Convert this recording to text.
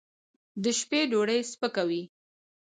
د شپې ډوډۍ سپکه وي.